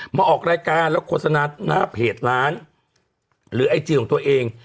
มาออกรายการแล้วโฆษณาหน้าเพจร้านหรือไอจีของตัวเอง